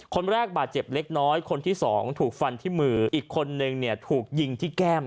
คนแรกบาดเจ็บเล็กน้อยคนที่สองถูกฟันที่มืออีกคนนึงเนี่ยถูกยิงที่แก้ม